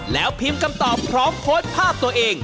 แล้วพิมพ์คำตอบพร้อมโพสต์ภาพตัวเอง